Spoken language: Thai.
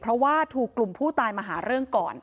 เพราะว่าถูกกลุ่มผู้ตายมาหาเรื่องก่อน